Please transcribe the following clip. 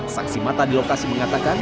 saksi mata di lokasi mengatakan